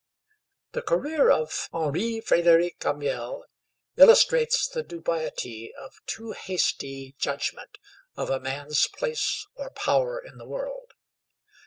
The career of Henri Frédéric Amiel illustrates the dubiety of too hasty judgment of a man's place or power in the world.